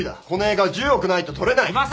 この映画は１０億ないと撮れない。